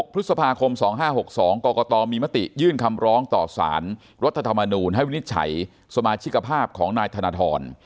พฤษภาคม๒๕๖๒กรกตมีมติยื่นคำร้องต่อสารรัฐธรรมนูลให้วินิจฉัยสมาชิกภาพของนายธนทร